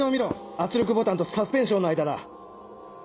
圧力ボタンとサスペンションの間だ。